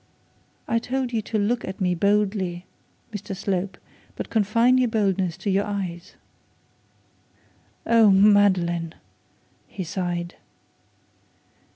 'I told you to look at me boldly, Mr Slope; but confine your boldness to your eyes.' 'Oh, Madeline,' he sighed.